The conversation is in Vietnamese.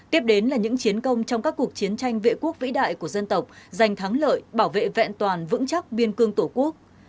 tiếp đến là những chiến công trong các cuộc chiến tranh vệ quốc vĩ đại của dân tộc giành thắng lợi bảo vệ vẹn toàn vững chắc biên cương tổ quốc